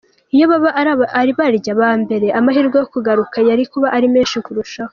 Iyo baba ari barya ba mbere amahirwe yo kugaruka yari kuba ari menshi kurushaho.